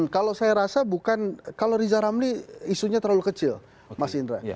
kalau saya rasa bukan kalau riza ramli isunya terlalu kecil mas indra